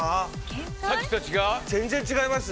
さっきと違う？